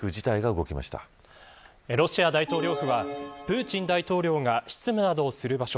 ロシア大統領府はプーチン大統領が執務などをする場所